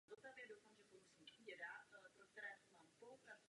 Na odpověď čekám šest týdnů.